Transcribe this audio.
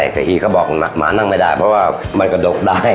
แต่อีกก็บอกหมานั่งไม่ได้เพราะว่ามันกระดกได้